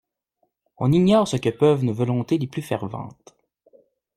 On ignore ce que peuvent nos volontés les plus ferventes.